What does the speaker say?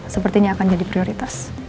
sepertinya akan jadi prioritas